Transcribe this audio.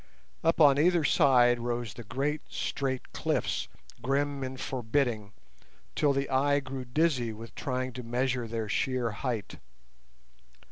Up on either side rose the great straight cliffs, grim and forbidding, till the eye grew dizzy with trying to measure their sheer height.